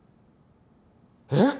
えっ！